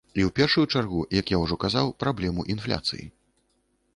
І ў першую чаргу, як я ўжо казаў, праблему інфляцыі.